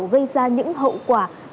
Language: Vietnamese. gây ra những hậu